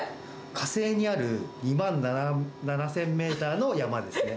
火星にある２万７０００メーターの山ですね。